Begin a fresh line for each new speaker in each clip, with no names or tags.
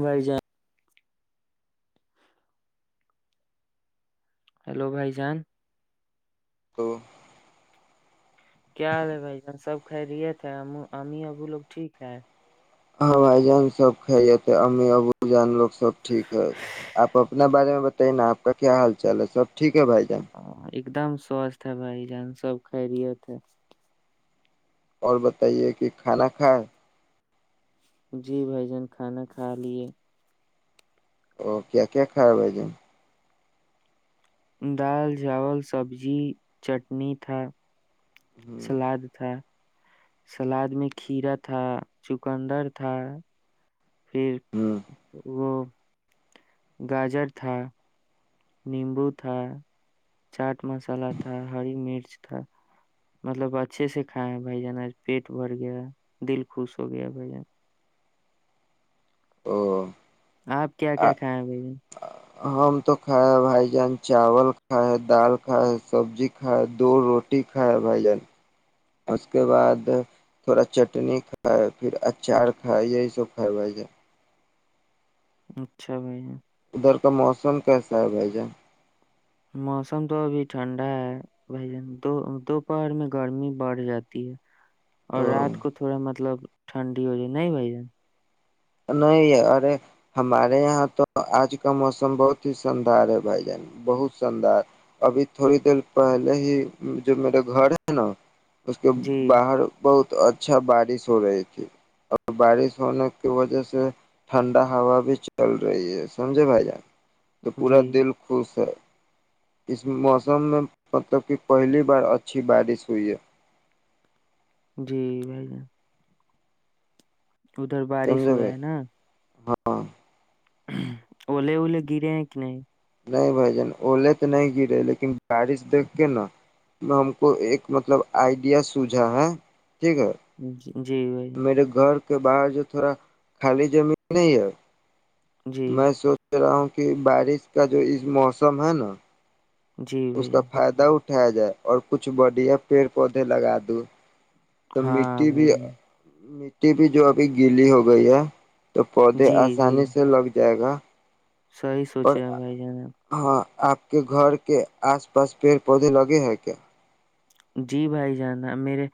Y جائ hello بھائی جان
تو
کیا حال ہے بھائی جان سب خیریت ہے امی ابو لوگ ٹھیک ہے
ہاں بھائی جان سب کائی امی ابو جان لوگ سب ٹھیک ہے آپ اپنا بارے میں بتائیے نا آپ کا کیا حال چال ہے سب ٹھیک کی بھائی جیں
ایک دم سوستھ ہے بھائی جان سب کرییےت
اور بتائیے کہ کھانا کھائے
جی بھائی جان کھانا کھا لے
ا کیا کیا کائے بائی دن
دال چاول سبزی چٹنی تھا سلاد تھا سلاد میں کھیرا تھا چکندر تھا پھر
ہ
وہ گاجر تھا نیمبو تھا چاٹ مسالہ تھا ہری مرچ تھا مطلب اچھے سے کھائے بھائی جان پیٹ بھر گیا دل خوش ہو گیا بھائی جان
او
آپ کیا کیا کھائے ہیں بھیا
ہم تو کھائے بھائی جان چاول کھائے دال کھائے سبزی کھائے دو روٹی کھائے بھائی جان اس کے بعد تھوڑا چٹنی کھائے پھر اچار کھائے یہی سب کھائے بھائی جان
اچھا بھائی
ادھر کا موسم کیسا ہے بھائی جان
موسم تو ابھی ٹھنڈا ہے بھائی جان دو دوپہر میں گرمی بڑھ جاتی ہے اور
او
رات کو تھوڑا مطلب ٹھنڈی ہو جائے نہیں بھائی جن
نہیں ارے ہمارے یہاں تو آج کا موسم بہت ہی شاندار ہے بھائی جان بہت شاندار ابھی تھوڑی دیر پہلے ہی جو میرے گھر ہے نا اس کے
جی
باہر بہت تو اچھا بارش ہو رہی تھی اور بارش ہونے کی وجہ سے ٹھنڈا ہوا بھی چل رہی ہے سمجھے بھائی جان تو پورا
جی
دل خوش ہے اس موسم میں پتوں کی پہلی بار اچھی بارش ہوئی ہے
جی بھائی جان ادھر بارش
سمجھے
ہوا
بھائی
ہے نا
ہاں
الے اولے گرے ہیں کہ نہیں
نہیں بھائی جان اوولے تو نہیں گرے لیکن بارش دیکھ کے نا ہم کو ایک مطلب آئیڈیا سوجھا ہے ٹھیک ہے
ہوں جی بھائی
میرے گھر کے باہر جو تھوڑا خالی زمین نہیں ہے
جی
میں سوچ سچ رہا ہوں کہ بارش کا جو اس موسم ہے نا
جی
اس
بھائی
کا
جان
فائدہ اٹھا اٹھا جائے اور کچھ بڑھیا پیڑ پودے لگا د تو
ہاں
مٹی بھی
بھائی جان
ٹی بھی جو ابھی گیلی ہو گئی ہے تو پودے
جی
آسانی سے لگ جائے گا
صحی
اور
سوچے بھائی ج نے
ہاں آپ کے گھر کے آس پاس پیڑ پودے لگے ہیں کیا
جی بھائی جانا میرے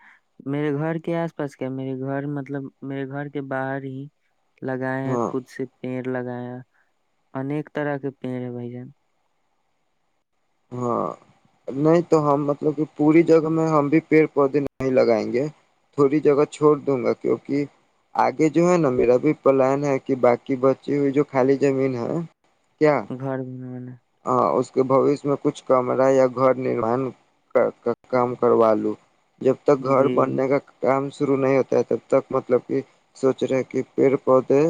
میرے گھر کے آس پاس کیا میرے گھر مطلب میرے گھر کے باہر ہی لگائے ہیں
ہاں
خود سے پیڑ لگایا انیک طرح کے پیڑ ہے بھائی جن
ہاں نہیں تو ہم مطلب کہ پوری جگہ میں ہم بھی پیڑ پودے نہیں لگائیں گے تھوڑی جگہ چھوڑ دوں گا کیوںکہ آگے جو ہے نا میرا بھی پلان ہے کہ باقی بچی ہوئی جو خالی زمین ہے
گھر بنوانا
ہ اس کے بوشیہ میں کچھ کمرہ یا گھر نروان کر کام کروا لوں جب تک گھر
جی
بننے کا کام شرو نہیں ہوتا ہے تب تک مطلب کہ سوچ رہے کہ پیڑ پودے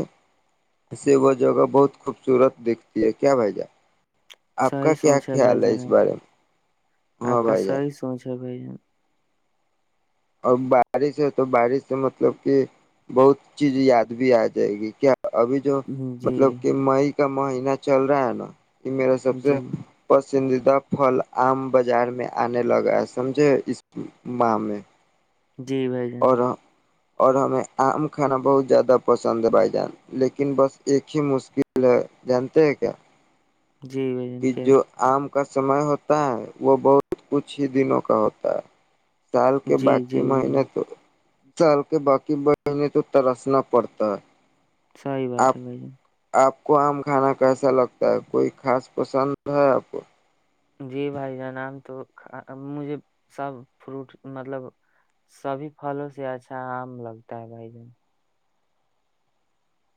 سے وہ جگہ بہت خوبصورت دکھتی ہے کیا بھائی جان آپ کا
صحیح
کیا
سوچ بھائی
خیال ہے
جان
اس
آپ
بارے میں ہاں
آپ کا
بھائی جان
سحی سوچ ہے ب
اور بارش ہے تو بارش سے مطلب کہ بہت چیز یاد بھی آ جائے گی کیا ابھی جو
جی
مطلب کہ مائک کا مہینہ چل رہا ہے نا یہ میرا سب سے
جی
پس پسندیدہ فھل آم بازار میں آنے لگا سمجھے اس ماہ میں
جی بھائی جان
اور اور ہمیں عام کھانا بہت زیادہ پسند ہے بھائی جان لیکن بس ایک ہی مشکل ہے جانتے ہیں کیا
جی بھائی
کہ
پہ
جو آم کا سمے ہوتا ہے وہ بہت کچھ ہی دنوں کا ہوتا ہے سال کے
جی
باقی
جی بھائی
مہینے
جان
تو سال کے باقی بہنےیں تو ترسنا پڑتا ہے
سی بات
آپ
ہے بھائی جن
آپ کو آم کھانا کیسا لگتا ہے کوئی خاص پسند ہے آپ کو۔
جی بھائی جان آم تو مجھے سب فروٹ مطلب سبھی پھلوں سے اچھا آم لگتا ہے بھائی جان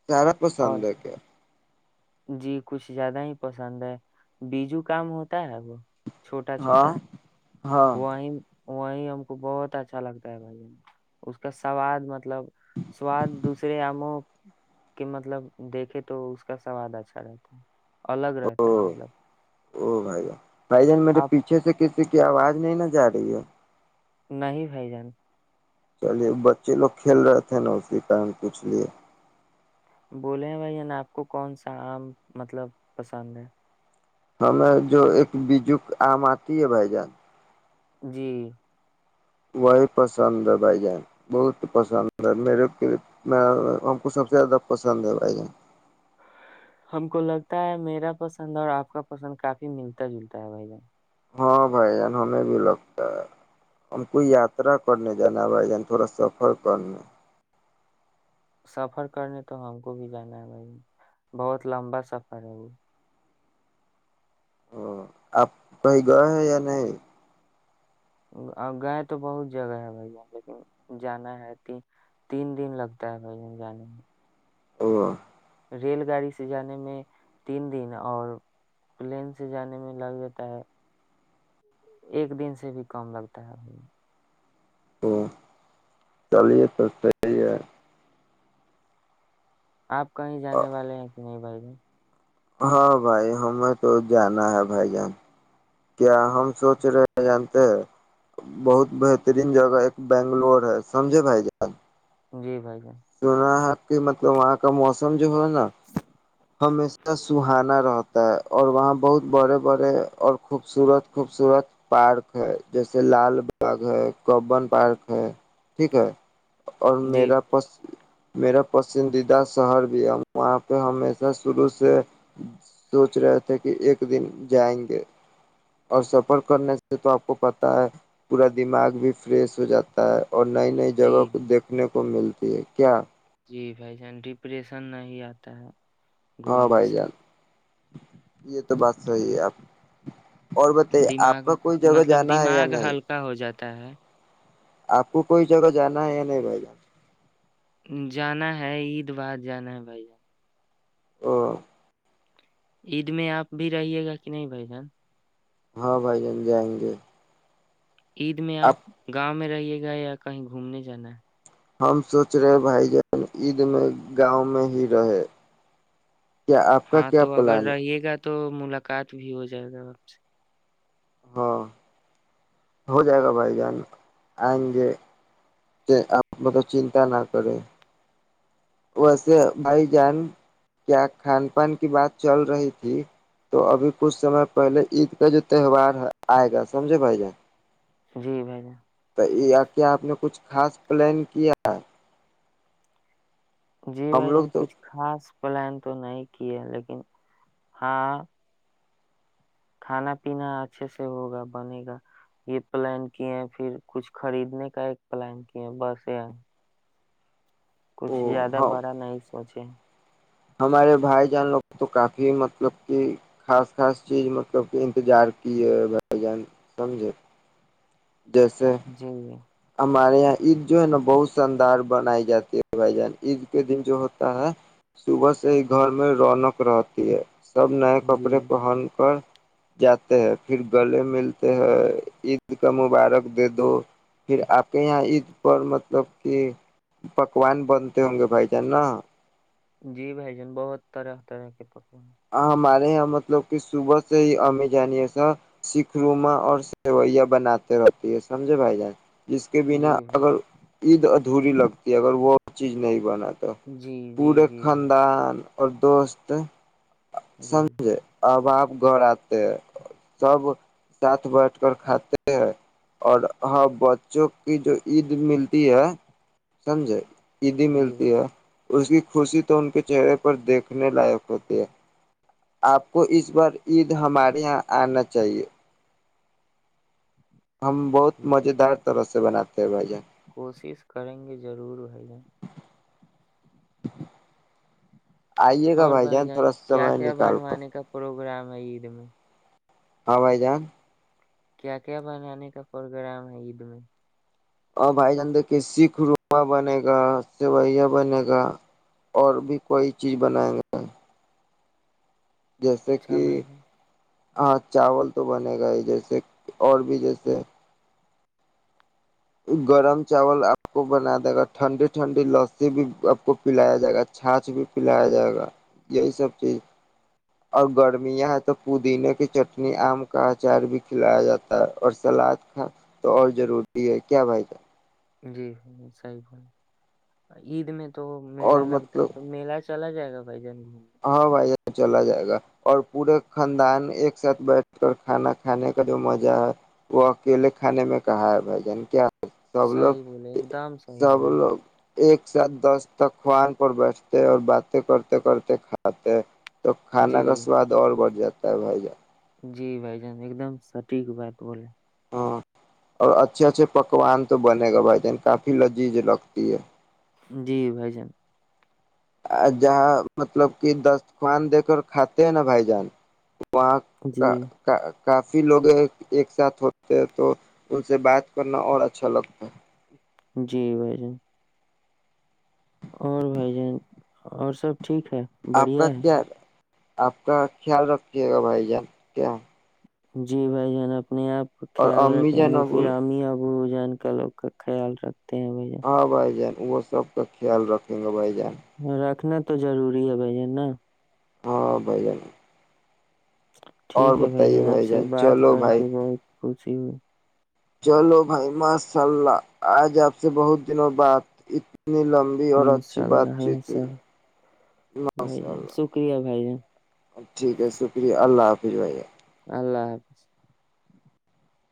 سارا
اور
پسند ہے کیا
جی کچھ زیادہ ہی پسند ہے بیجو کام ہوتا ہے وہ چھوٹا
ہاں
چھوٹا
ہاں
وہیں وہی ہم کو بہت اچھا لگتا ہے بھائی ج اس کا سواد مطلب سواد دوسرے آموں کے مطلب دیکھے تو اس کا سواد اچھا رہتا ہے الگ
او
رہتا ہے مطلب
او بھائی جا سن میرے
آپ
پیھ سے کس کیکہ آواز نہیں نہ جا رہی ہے
نہیں بھائی جان
چلیے بچے لوگ کھیل رہے تھے نا اسی کن کچھ لیے [inaudible]
بولے ہیں بھائی نا آپ کو کون سا آم مطلب پسند ہے
جو ایک بیجک عام اتی ہے بھائی جان
جی
وہی پسند ہے بھائی جان بہت پسند ہے میرے کےے میں ہم کو سب سے زیادہ پسند ہے بھائی جان
ہم کو لگتا ہے میرا پسند اور آپ کا پسند کافی ملتا جلتا ہے بھائی جان
ہاں بھائی جان ہمیں بھی لگتا ہے ہم کو یاترا کرنے جانا ہے بھائی جان تھوڑا سفر کرنے
سفر کرنے تو ہم کو بھی جانا ہے بھائی بہت لمبا سفر ہے وہ
ا آپ کہیں گئے ہیں یا نہیں
گئے تو بہت جگہ ہے بھائی جان لیکن جانا ہے ت تین دن لگتا ہے بھائی جان جانے میں
او
ریل گاڑی سے جانے میں تین دن اور پلین سے جانے میں لگ جاتا ہے ایک دن سے بھی کم لگتا ہے
تو چلیے تو صحی ہے
آپ کہیں جانے والے ہیں کہ نہیں بھائی [inaudible]
ہاں بھائی ہمیں تو جانا ہے بھائی جان کیا ہم سوچ رہے ہیں جانتے ہیں بہت بہترین جگہ ایک بنگلور ہے سمجھے بھائی جان
جی بھائی ج
سنا ہے کہ مطلب وہاں کا موسم جو ہو نا ہمیشہ سہانا رہتا اور وہاں بہت بڑے بڑے اور خوبصورت خوبصورت پارک ہے جیسے لال باغ ہے کبن پارک ہے ٹھیک ہے اور
جی
میرا پس میرا پسندیدہ شہر بھی ہے ہم وہاں پہ ہمیشہ شروع سے سوچ رہے تھے کہ ایک دن جائیں گے اور سفر کرنے سے تو آپ کو پتہ ہے پورا دماغ بھی فریش ہو جاتا ہے اور نئی نئی
جی
جگہ کو دیکھنے کو ملتی ہے کیا
جی بھائی جان ڈپریشن نہ ہی آتا ہے
ہاں
گھومنے
بھائی
سے
جان یہ تو بس صی ہے اب اور بتائیے آپ
دماغ
کا کوئی جگہ جانا ہے یا نہیں
تا ہے
آپ کو کوئی جگہ جانا ہے یا نہیں بھائی جان
جانا ہے عید بار جانا ہے بھائی جان
ہ
عید میں آپ بھی رہیے گا کہ نہیں بھ جان
ہاں بھائی جان جائیں گے
عید میں آپ
اب
گاؤں میں رہیے گا یا کہیں گھومنے جانا ہے
ہم سوچ رہے ہیں بھائی جان عید میں گاؤں میں ہی رہے کیا آپ کا
ہاں
کیا
تو اگر
پلان ہے
رہیے گا تو ملاقات بھی ہو جائے گا آپ سے
ہاں ہو جائے گا بھائی جان آئیں گے آپ مطلب چنتا نہ کرے ویسے بھائی جان کیا کھان پان کی بات چل رہی تھی تو ابھی کچھ سمے پہلے عید کا جو تہوار آئے گا سمجھے بھائی جان
جی بھائی ج
تو کیا آپ نے کچھ خاص پلان کیا ہے
جی بھائی
لوگ
جان
تو
کچھ خاص پلان تو نہیں لیکن ہاں کھانا پینا اچھے سے ہوگا بنے گا یہ پلان کی ہیں پھر کچھ خریدنے کا ایک پلان کی ہے بس یہ کچھ زیادہ
ہاں
بڑا نہیں سوچے
ہمارے بھائی جان لوگ تو کافی مطلب کہ خاص خاص چیز مطلب کہ انتظار کی ہے بھائی جان سمجھے جیسے
جی
ہمارے یہاں عید جو ہے نا بہت شاندار بنائی جاتی ہے بھائی جان عید کے دن جو ہوتا ہے صبح سے ہی گھر میں رونق رہتی ہے سب نئے
جی
کپڑے پہن کر جاتے ہیں پھر گلے ملتے ہیں عید کا مبارک دے دو پھر آپ کے یہاں عید پر مطلب کہ پکوان بنتے ہوں گے بھائی جان نا
جی بھ جان بہت طرح طرح کے پکوان
ہمارے یہاں مطلب کہ صبح سے ہی امی جانی سا سکھ روما اور سیوئیاں بناتے رہتی ہے سمجھے بھائی جان جس کے بنا
جی
اگر
بھائی
عید ادھوری لگتی ہے اگر وہ چیز نہیں بنا
جی جی
پڑے
جی بھائی
خاندان اور دوست
جی
سجے آب گھر آتے ہیں سب ساتھ بیٹھ کر کھاتے ہیں اور ہ بچوں کی جو عید ملتی ہے سمجھے عیدی
جی
ملتی
بھائی
ہے اس کی خوشی تو ان کے چہرے پر دیکھنے لائق ہوتی ہے آپ کو اس بار عید ہمارے یہاں آنا چاہیے ہم بہت
ٹھیک
مز دار طرح سے بناتے بھ جات
کوشش کریں گے ضرور بھیا
آئیے گا
اور بھائی
تھوڑا
جان کیا
سمے
کیا
نکال کر
بنوانے کا پروگرام [inaudible]
ہاں وائی جان [unintelligible]
کیا کیا بنانے کا پروگرام ہے عید میں
اور بھائی جان دے کے سکھ روما بنے گا سویا بنے گا اور بھی کوئی چیز بنیں گا جیسے
اچھا
کہ
بھائی جان
ہاں چاول تو بنے گا ہی جیسے اور بھی جیسے گرم چاول آپ کو بنا دے گا ٹھنڈی ٹھنڈی لسی بھی آپ کو پلایا جائے گا چھاچ بھی پلایا جائے گا یہی سب چیز اور گرمیاں ہے تو پودینے کی چٹنی آم کا اچار بھی کھلایا جاتا ہے اور سلاد کھا تو اور ضروری ہے کیا بھائی کا
جی صحیح عید میں تو
اور
میلہ لگتا
مطلب
ہے تو میلا چلا جائے گ بھائی جان گھومنے
ہاں بھائی ج چلا جائے گا اور پورے خاندان ایک ساتھ بیٹھ کر کھانا کھانے کا جو مزہ ہے وہ اکیلے کھانے میں کہا ہے بھائی جان کیا سب
صحیح بولے
لوگ
ایک دم صحیح
سب
بولے
لوگ ایک ساتھ دس تک خوان پر بیٹھتے اور باتیں کرتے کرتے کھاتاتے [unintelligible] تو کھانا
جی
کا سواد اور بڑھ جاتا تب ہوا جائے [unintelligible]
جی بھائی جان ایک دم سٹیک بات بولے
ہاں اور اچھے اچھے پکوان تو بنے گا بھائی جین کافی لذیذ لگتی ہے
جی بھائی جان
جہاں مطلب کہ دستخوان دے کر کھاتے ہیں نا بھائی جان و
جی
کا [unintelligible] کافی لوگ ایک ساتھ ہوتے ہیں تو ان سے بات کرنا اور اچھا لگتا ہے
جی بھائی جان اور بھائی جن اور سب ٹھیک ہے
آپ
بڑھیا
کا
ہے
کیا آپ کا خیال رکے گا بھائی جان کیا ہے؟
جی بھائی ج ن آپ اپنے آپ کا
اور
خیال
امی
رکھیں
جان
گے پھر
ابو
ہم ہی آپ وہ جان کا لوگ کا خیال رکھ
ہاں بھائی جان ا سب کے خیال رکھیں گے بھائی جا
رکھنا تو ضروری ہے بھائین نا
ہاں بھائی جان
ٹھیک
اور
ہے بھائی
بتائیے
جان آپ سے بات
چلو
کر
بھائی
کے بہت کچھ سی [inaudible]
چلو بھائی ماشاء اللہ آج آپ سے بہت دنوں بعد اتنی لمبی اور اچھی
انشاء
بات
اللہ
چیت ت
انشاء اللہ بھائی
ماشاء
جان
اللہ
شکریہ بھائی جان
ٹھیک ہے شکریہ اللہ حافظ پی جائی
اللہ حافظ